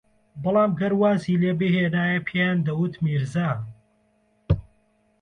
بەڵام گەر وازی لێبھێنایە پێیان دەوت میرزا